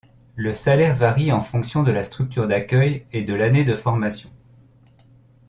Le salaire varie en fonction de la structure d'accueil et de l'année de formation.